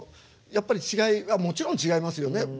やっぱり違いはもちろん違いますよね？